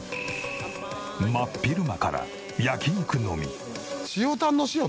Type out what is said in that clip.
真っ昼間から焼肉飲み。